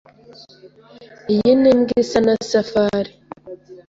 Iyi ni imbwa isa nifarasi.